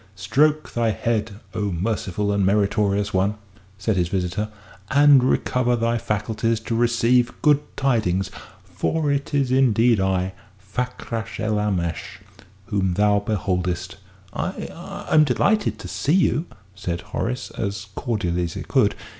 "Stroke thy head, O merciful and meritorious one," said his visitor, "and recover thy faculties to receive good tidings. For it is indeed I Fakrash el Aamash whom thou beholdest." "I I'm delighted to see you," said Horace, as cordially as he could.